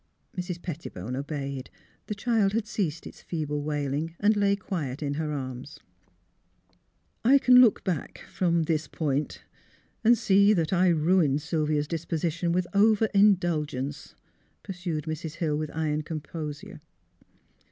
Mrs. Pettibone obeyed. The child had ceased its feeble wailing and lay quiet in her arms. '' I can look back from this point and see that I ruined Sylvia's disposition with over indul gence," pursued Mrs. Hill, with iron composure.